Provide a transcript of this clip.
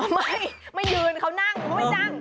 ไม่ไม่ยืนเขานั่งเขาไม่นั่ง